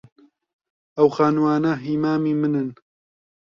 ئەو خانووانە هیی مامی منن.